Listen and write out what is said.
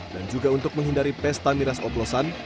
dan juga untuk menghindari pesta miras oblosan